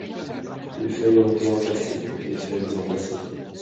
Les feuilles ont été entassés, des feuilles entassés.